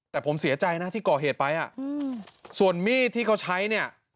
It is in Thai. แต่ผมเสียใจนะที่ก่อเหตุไปอ่ะส่วนมีดที่เขาใช้เนี่ย